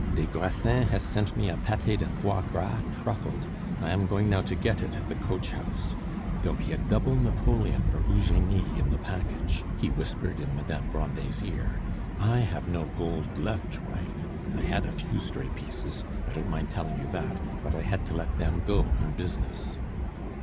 Des Grassins has sent me a pate de foie gras truffled! I am going now to get it at the coach office. There'll be a double napoleon for Eugenie in the package," he whispered in Madame Grandet's ear. "I have no gold left, wife. I had a few stray pieces I don't mind telling you that but I had to let them go in business."